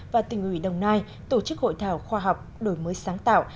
và tỉnh ủy đồng nai tổ chức hội thảo khoa học đổi mới sáng tạo